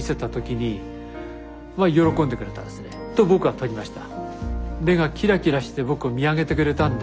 と僕はとりました。